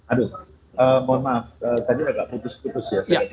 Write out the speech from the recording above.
aduh mohon maaf tadi agak putus putus ya